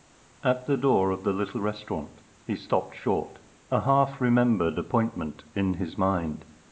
At the door of the little restaurant he stopped short, a half remembered appointment in his mind.